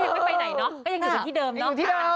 ก็ยังไม่ไปไหนเนอะก็ยังอยู่ที่เดิมเนอะค่ะ